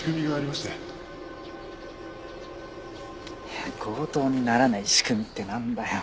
いや強盗にならない仕組みってなんだよ。